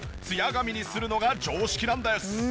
ツヤ髪にするのが常識なんです。